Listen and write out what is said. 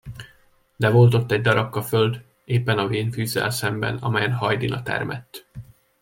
De volt ott egy darabka föld, éppen a vén fűzzel szemben, amelyen hajdina termett.